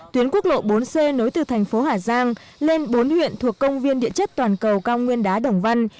tuyến quốc lộ bốn c nối từ thành phố hà giang lên bốn huyện thuộc công viên địa chất toàn cầu cao nguyên đá đồng văn